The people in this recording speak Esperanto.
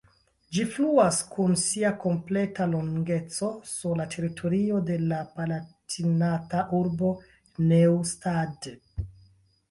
Ĝi fluas kun sia kompleta longeco sur la teritorio de la palatinata urbo Neustadt.